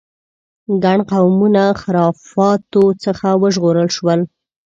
ګڼ قومونه خرافاتو څخه وژغورل شول.